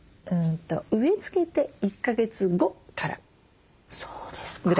植え付けて１か月後からぐらいです。